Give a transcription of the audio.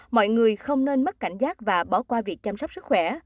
mọi người không nên mất cảnh giác và bỏ qua việc chăm sóc sức khỏe